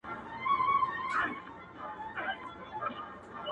څنگه ساز دی؟ څه مستې ده، څه شراب دي